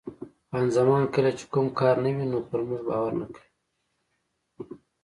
خان زمان: کله چې کوم کار نه وي نو پر موږ باور نه کوي.